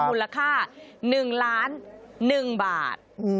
มูลค่า๑ล้าน๑บาท